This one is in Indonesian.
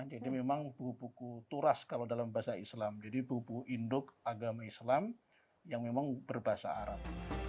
jadi memang buku buku turas kalau dalam bahasa islam jadi buku buku induk agama islam yang memang berbahasa arab